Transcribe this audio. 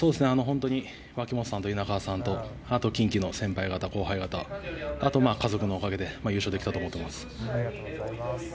脇本さんと稲川さんと、近畿の先輩・後輩、そして家族のおかげで優勝できたと思っています。